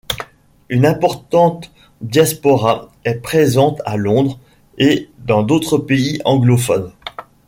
Une importante diaspora est présente à Londres et dans d'autres pays anglophones.